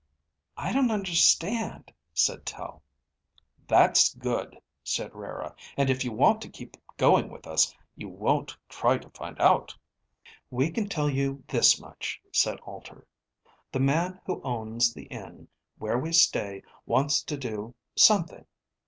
"I don't understand," said Tel. "That's good," said Rara. "And if you want to keep going with us, you won't try to find out." "We can tell you this much," said Alter. "The man who owns the inn where we stay wants to do something.